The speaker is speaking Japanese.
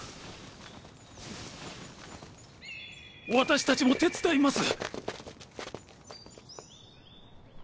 私たちも手伝います。